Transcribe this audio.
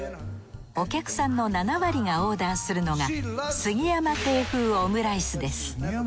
お客さんの７割がオーダーするのが杉山亭風オムライスです。